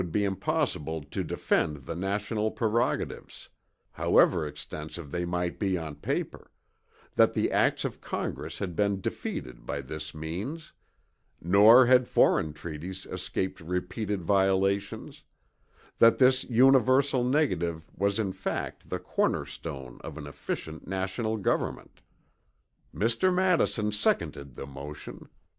be impossible to defend the national prerogatives, however extensive they might be on paper; that the acts of Congress had been defeated by this means; nor had foreign treaties escaped repeated violations; that this universal negative was in fact the corner stone of an efficient national Govt." "Mr. Madison seconded the motion.